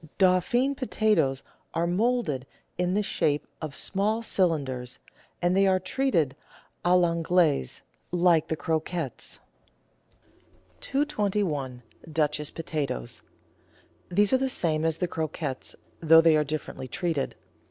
Dauphine potatoes are moulded in the shape of small cylinders, and they are treated a I' Anglaise, like the croquettes. GARNISHING FOR RELEVJiS AND ENTRIES 93 221— DUCHESSE POTATOES These are the same as the croquettes, though they are differently treated.